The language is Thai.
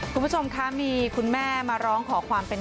คุณผู้ชมคะมีคุณแม่มาร้องขอความเป็น